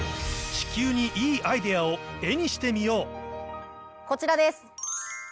地球にいいアイデアを絵にしこちらです。